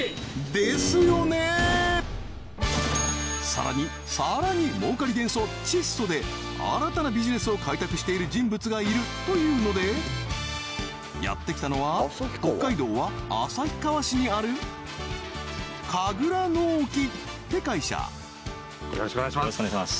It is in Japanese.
さらにさらに儲かり元素窒素で新たなビジネスを開拓している人物がいるというのでやってきたのは北海道は旭川市にある神楽農機って会社よろしくお願いします